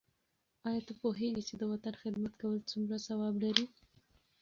آیا ته پوهېږې چې د وطن خدمت کول څومره ثواب لري؟